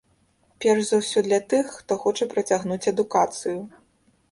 Перш за ўсё для тых, хто хоча працягнуць адукацыю.